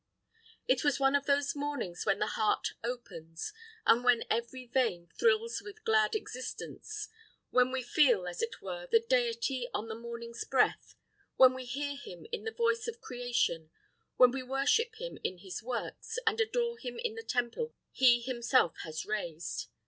It was one of those mornings when the heart opens, and when every vein thrills with glad existence; when we feel, as it were, the Deity on the morning's breath; when we hear Him in the voice of creation; when we worship Him in his works, and adore Him in the temple He himself has raised.